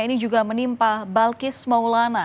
ini juga menimpa balkis maulana